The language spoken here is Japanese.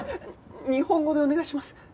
日本語でお願いします。